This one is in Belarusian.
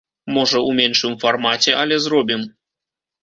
Можа, у меншым фармаце, але зробім.